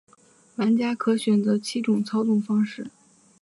玩家可选择七种操纵方式。